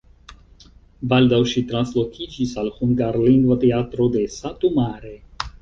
Baldaŭ ŝi translokiĝis al hungarlingva teatro de Satu Mare.